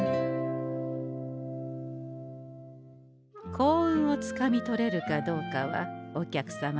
幸運をつかみ取れるかどうかはお客様しだい。